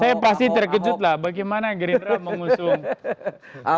saya pasti terkejut lah bagaimana gerindra mengusung